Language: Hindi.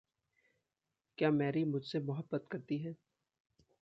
क्या मैरी मुझ से मोहब्बत करती है?